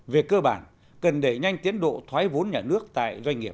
về cơ bản cần đẩy nhanh tiến độ thoái vốn nhà nước tại doanh nghiệp